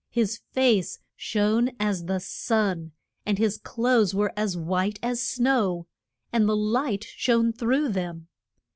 His face shone as the sun, and his clothes were as white as snow, and the light shone through them.